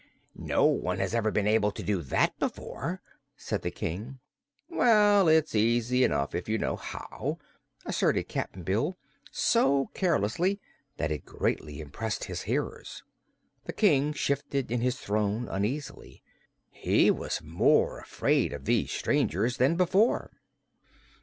No one has ever been able to do that before," said the King. "Well, it's easy enough, if you know how," asserted Cap'n Bill, so carelessly that it greatly impressed his hearers. The King shifted in his throne uneasily. He was more afraid of these strangers than before.